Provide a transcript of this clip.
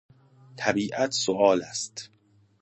طبیعت سوال است.